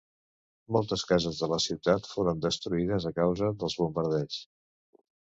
Moltes cases de la ciutat foren destruïdes a causa dels bombardeigs.